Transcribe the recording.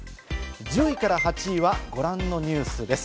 １０位から８位はご覧のニュースです。